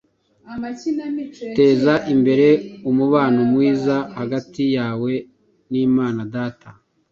teza imbere umubano mwiza hagati yawe n’Imana Data.